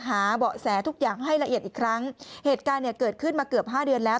เบาะแสทุกอย่างให้ละเอียดอีกครั้งเหตุการณ์เนี่ยเกิดขึ้นมาเกือบห้าเดือนแล้ว